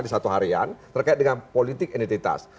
di satu harian terkait dengan politik identitas